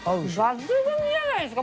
抜群じゃないですか！